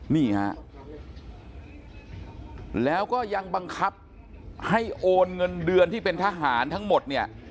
นี่ฮะแล้วก็ยังบังคับให้โอนเงินเดือนที่เป็นทหารทั้งหมดเนี่ย